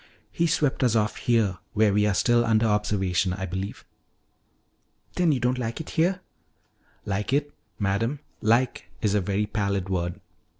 "He swept us off here where we are still under observation, I believe." "Then you don't like it here?" "Like it? Madam, 'like' is a very pallid word.